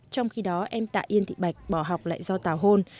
trong khi đó em tạ yên thị bạch bỏ học lại do tào hôn